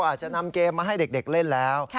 อาจจะนำเกมมาให้เด็กเล่นแล้ว